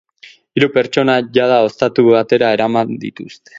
Hiru pertsona jada ostatu batera eraman dituzte.